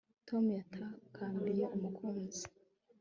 Tom yatakambiye umuziki